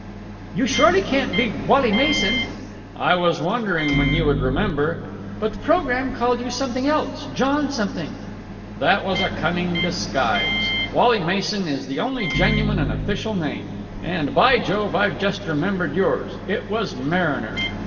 "You surely can't be Wally Mason!" "I was wondering when you would remember." "But the programme called you something else John something." "That was a cunning disguise. Wally Mason is the only genuine and official name. And, by Jove! I've just remembered yours. It was Mariner.